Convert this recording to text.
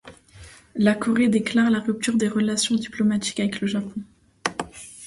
La Corée déclare la rupture des relations diplomatiques avec le Japon.